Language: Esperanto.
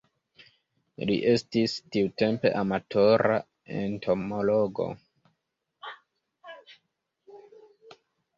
Li estis tiutempe amatora entomologo.